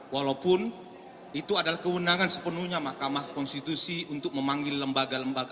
walaupun itu adalah kewenangan sepenuhnya mahkamah konstitusi untuk memanggil lembaga lembaga